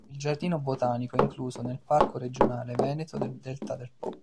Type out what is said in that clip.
Il giardino botanico è incluso nel Parco regionale veneto del Delta del Po.